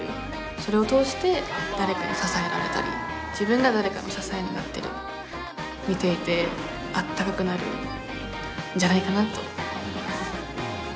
それを通して誰かに支えられたり自分が誰かの支えになったり見ていてあったかくなるんじゃないかなと思います。